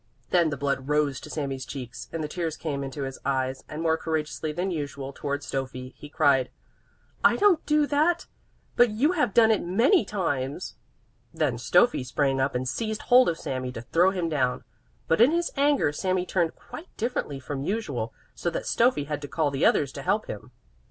Then the blood rose to Sami's cheeks and the tears came into his eyes and, more courageously than usual towards Stöffi, he cried: "I don't do that, but you have done it many times!" Then Stöffi sprang up and seized hold of Sami to throw him down; but in his anger Sami turned quite differently from usual, so that Stöffi had to call the others to help him.